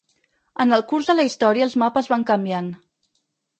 En el curs de la història els mapes van canviant.